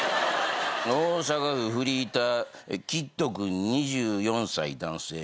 大阪府フリーターｋｉｄ君２４歳男性。